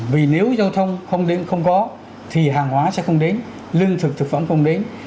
vì nếu giao thông không đến không có thì hàng hóa sẽ không đến lương thực thực phẩm không đến